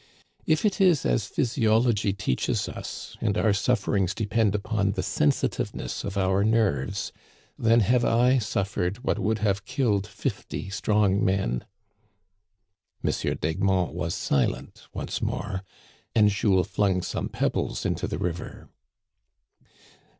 If it is as physiology teaches us, and our sufferings depend upon the sensitiveness of our nerves, then have I suffered what would have killed fifty strong men." M. d'Egmont was silent once more, and Jules flung some pebbles into the river.